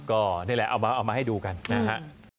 ก็นี่แหละเอามาให้ดูกันนะฮะ